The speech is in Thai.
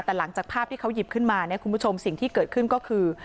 แต่หลังจากภาพที่เขาหยิบขึ้นมาเนี่ยคุณผู้ชมสิ่งที่เกิดขึ้นก็คือ